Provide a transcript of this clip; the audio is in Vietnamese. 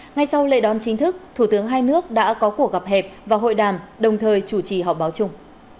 ngay sau lễ đón chính thức thủ tướng hai nước đã có cuộc gặp hẹp và hội đàm đồng thời chủ trì họp báo chung